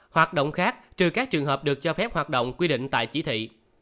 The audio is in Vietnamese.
hoạt động khác trừ các trường hợp được cho phép hoạt động quy định tại chỉ thị